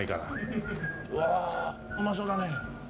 うわうまそうだね。